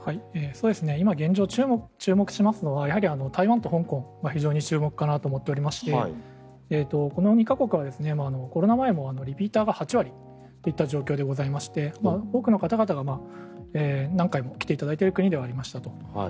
今現状、注目しますのは台湾と香港非常に注目かなと思っておりましてこの２か国はコロナ前もリピーターが８割といった状況でありまして多くの方々が何回も来ていただいている国ではありましたと。